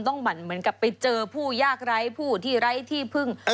หมั่นเหมือนกับไปเจอผู้ยากไร้ผู้ที่ไร้ที่พึ่ง